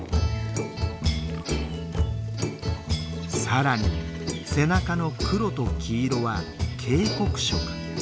さらに背中の黒と黄色は警告色。